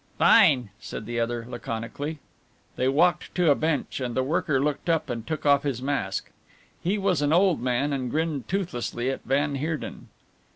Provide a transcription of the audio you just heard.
"Fine!" said the other laconically. They walked to a bench and the worker looked up and took off his mask. He was an old man, and grinned toothlessly at van Heerden.